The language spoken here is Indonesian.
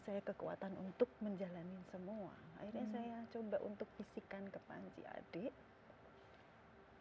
saya kekuatan untuk menjalani semua akhirnya saya coba untuk bisikan ke panji adik